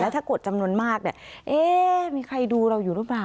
ถ้ากดจำนวนมากเนี่ยเอ๊ะมีใครดูเราอยู่หรือเปล่า